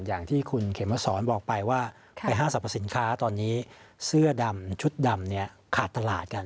อย่างที่คุณเขมสอนบอกไปว่าไปห้างสรรพสินค้าตอนนี้เสื้อดำชุดดำเนี่ยขาดตลาดกัน